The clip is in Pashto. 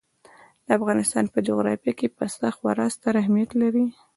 د افغانستان په جغرافیه کې پسه خورا ستر اهمیت لري.